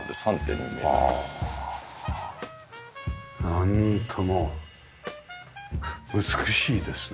なんとも美しいですね。